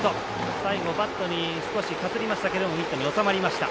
最後、バットに少しかすりましたけれどもミットに収まりました。